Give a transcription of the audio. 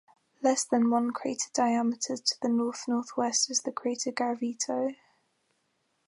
Less than one crater diameter to the north-northwest is the crater Garavito.